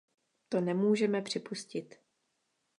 To nemůžeme připustit.